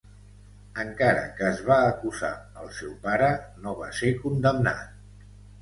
Encara que es va acusar el seu pare, no va ser condemnat.